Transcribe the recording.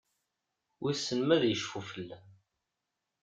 Wissen ma ad icfu fell-am?